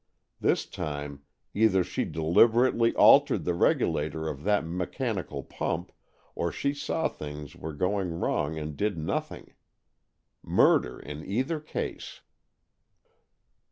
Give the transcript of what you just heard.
This time, either she deliberately altered the regulator of that mechanical pump, or she saw that things were going wrong and did nothing. Murder in either case."